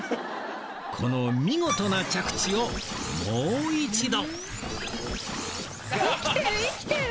この見事な着地をもう一度！